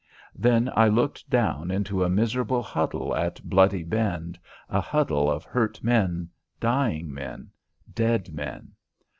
Then I looked down into a miserable huddle at Bloody Bend, a huddle of hurt men, dying men, dead men.